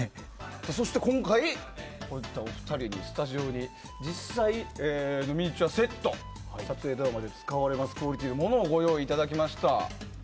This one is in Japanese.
そして、今回こういったお二人にスタジオに実際のミニチュアセットドラマ撮影で使われるクオリティーのものをご用意いただきました。